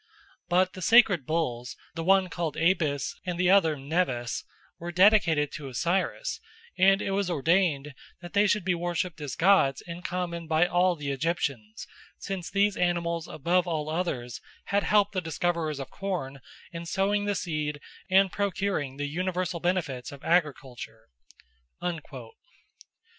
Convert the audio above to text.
But the sacred bulls, the one called Apis and the other Mnevis, were dedicated to Osiris, and it was ordained that they should be worshipped as gods in common by all the Egyptians, since these animals above all others had helped the discoverers of corn in sowing the seed and procuring the universal benefits of agriculture."